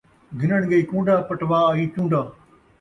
گھنݨ ڳئی کون٘ڈا ، پٹوا آئی چون٘ڈا